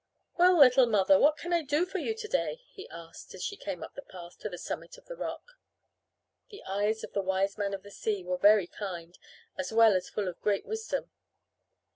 "Well, little mother, what can I do for you to day?" he asked, as she came up the path to the summit of the rock. The eyes of the Wiseman of the Sea were very kind as well as full of great wisdom.